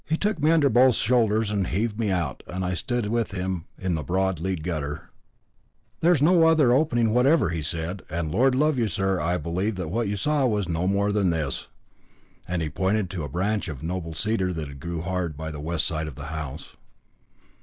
He took me under both shoulders and heaved me out, and I stood with him in the broad lead gutter. "There's no other opening whatever," said he, "and, Lord love you, sir, I believe that what you saw was no more than this," and he pointed to a branch of a noble cedar that grew hard by the west side of the house.